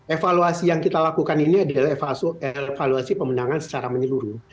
evaluasi yang kita lakukan ini adalah evaluasi pemenangan secara menyeluruh